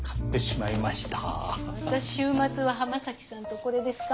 また週末は浜崎さんとこれですか？